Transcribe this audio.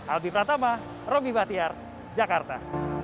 albi pratama romy batiar jakarta